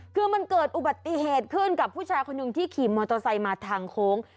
คือมันเกิดอุบัติเหตุขึ้นกับผู้ชายคนหนึ่งที่ขี่มอเตอร์ไซค์มาทางโค้ง